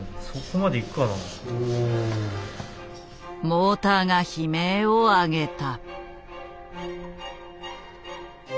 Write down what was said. モーターが悲鳴を上げた。